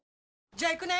じゃあ行くね！